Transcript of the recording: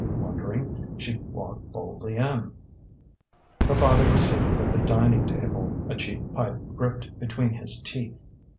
Wondering, she walked boldly in. Her father was seated at the dining table, a cheap pipe gripped between his teeth.